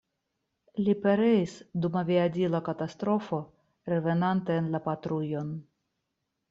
Li pereis dum aviadila katastrofo revenante en la patrujon.